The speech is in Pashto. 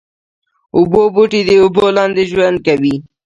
اوبو بوټي د اوبو لاندې ژوند کوي